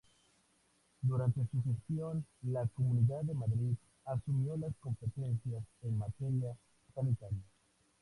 Durante su gestión la Comunidad de Madrid asumió las competencias en materia sanitaria.